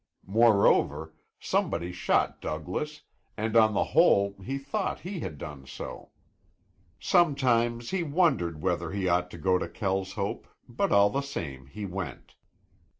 Moreover, somebody shot Douglas, and on the whole he thought he had done so. Sometimes he wondered whether he ought to go to Kelshope, but all the same he went.